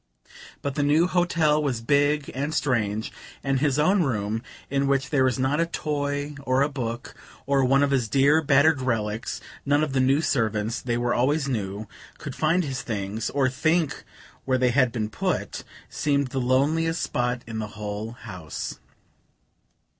But the new hotel was big and strange, and his own room, in which there was not a toy or a book, or one of his dear battered relics (none of the new servants they were always new could find his things, or think where they had been put), seemed the loneliest spot in the whole house.